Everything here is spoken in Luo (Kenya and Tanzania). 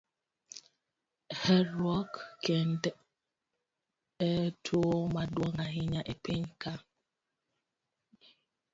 Herruok kend e tuo maduong' ahinya e piny ka.